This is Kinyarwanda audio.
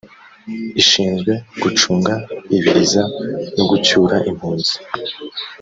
ishinzwe gucunga ibiza no gucyura impunzi